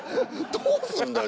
「どうすんだよ？